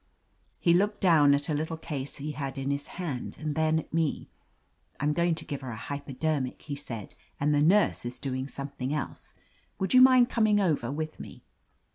He looked down at a little case he had in his hand, and then at me. "I'm going to give her a hypo dermic," he said, "and the nurse is doing some thing else. Would you mind coming over with me?"